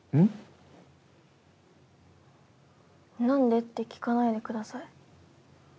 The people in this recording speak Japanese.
なんでって聞かないで下さい。